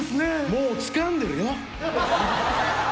もうつかんでるよ？